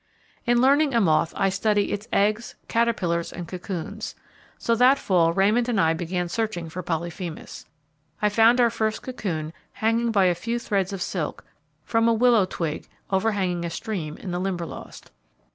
In learning a moth I study its eggs, caterpillars, and cocoons, so that fall Raymond and I began searching for Polyphemus. I found our first cocoon hanging by a few threads of silk, from a willow twig overhanging a stream in the limberlost.